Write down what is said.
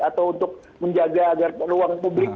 atau untuk menjaga agar ruang publik